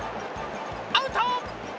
アウト！